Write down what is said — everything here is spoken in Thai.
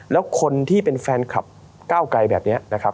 แล้วคนที่เป็นแฟนคลับก้าวไกลแบบนี้นะครับ